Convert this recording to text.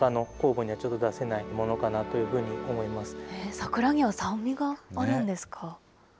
サクラには酸味があるんですか？